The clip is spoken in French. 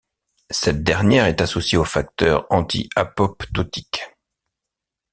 Cette dernière est associée aux facteurs anti-apoptotiques.